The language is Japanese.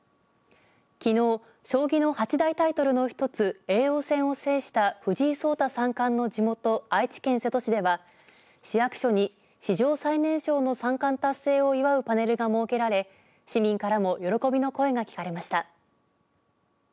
きのう将棋の八大タイトルの１つ叡王戦を制した藤井聡太三冠の地元、愛知県瀬戸市では市役所に史上最年少の三冠達成を祝うパネルが設けられ市民からも喜びの声が聞かれました。